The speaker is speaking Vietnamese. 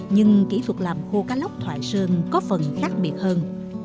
nhưng kỹ thuật làm khô cá lóc thoại sơn có phần khác biệt hơn